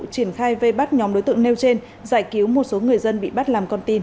triển khai vây bắt nhóm đối tượng nêu trên giải cứu một số người dân bị bắt làm con tin